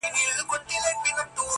پر کشپ باندي شېبې نه تېرېدلې -